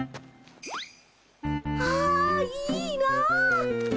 あいいな。